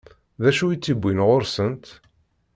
D acu i tt-iwwin ɣur-sent?